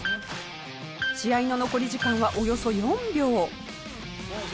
試合の残り時間はおよそ４秒。